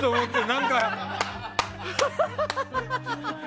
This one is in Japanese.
何か。